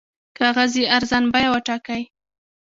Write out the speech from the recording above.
کاغذ یې ارزان بیه وټاکئ.